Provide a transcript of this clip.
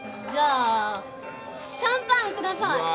じゃシャンパン下さい。